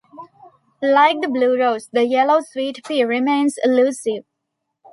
Like the blue rose, the yellow sweet pea remains elusive.